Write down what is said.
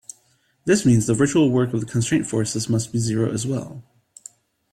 This means the virtual work of the constraint forces must be zero as well.